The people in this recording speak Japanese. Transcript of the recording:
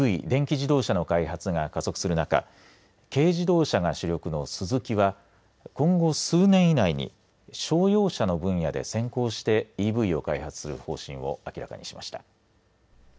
電気自動車の開発が加速する中軽自動車が主力のスズキは今後、数年以内に商用車の分野で先行してＥＶを開発する方針を明らかにしました。